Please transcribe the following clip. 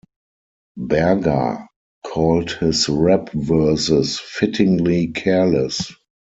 Berger called his rap verses fittingly careless.